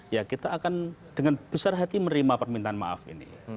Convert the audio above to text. ya kita akan dengan besar hati menerima permintaan maaf ini